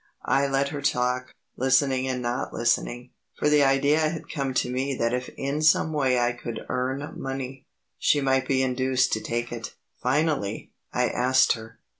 I let her talk, listening and not listening; for the idea had come to me that if in some way I could earn money, she might be induced to take it. Finally, I asked her.